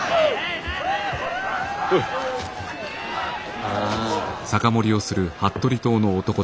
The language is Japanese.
ああ。